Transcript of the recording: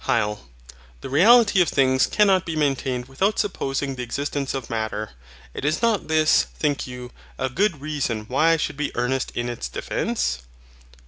HYL. THE REALITY of things cannot be maintained without supposing the existence of Matter. And is not this, think you, a good reason why I should be earnest in its defence?